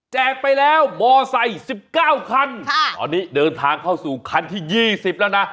แจกไปแล้วมอไส่สิบเก้าคันค่ะตอนนี้เดินทางเข้าสู่คันที่ยี่สิบแล้วน่ะ